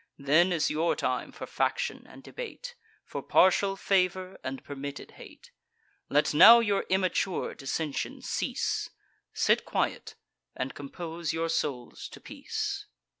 Then is your time for faction and debate, For partial favour, and permitted hate. Let now your immature dissension cease; Sit quiet, and compose your souls to peace."